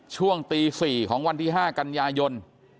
ช่วงตี๔ของวันที่๕กันยายน